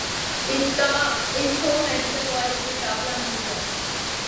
اس کو medical college میں داخلہ مل گیا